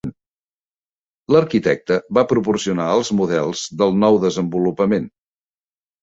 L'arquitecte va proporcionar els models del nou desenvolupament.